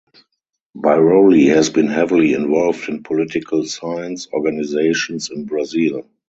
Biroli has been heavily involved in political science organizations in Brazil.